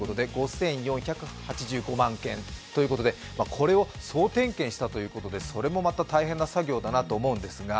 これを総点検したということで、それもまた大変な作業だなと思うんですが。